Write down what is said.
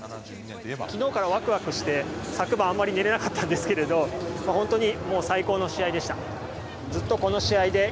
きのうからわくわくして、昨晩、あまり寝れなかったんですけど、本当にもう最高の試合でした。